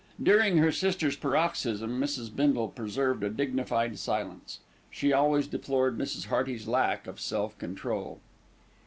During her sister's paroxysm, Mrs. Bindle preserved a dignified silence. She always deplored Mrs. Hearty's lack of self control.